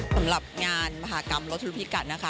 สำหรับงานมหากรรมรถทุพิกัดนะคะ